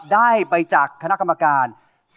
ได้ไปจากคณะกรรมการ